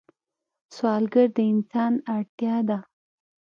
سوالګر د انسان اړتیا ده